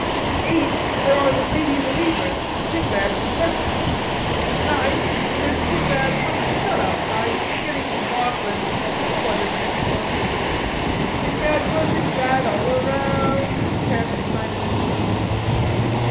Eighth: there are the lady relievers, Sinbad's specialty. Ninth: there's Sinbad...." "Shut up, Heinz, you're getting me maudlin," spluttered Henslowe. "O Sinbad was in bad all around," chanted Heineman.